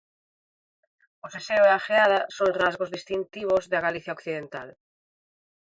O seseo e a gheada son rasgos distintivos da Galicia occidental.